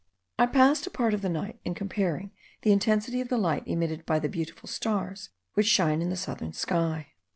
I passed a part of the night in comparing the intensity of the light emitted by the beautiful stars which shine in the southern sky.